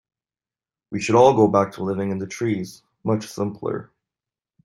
We should all go back to living in the trees, much simpler.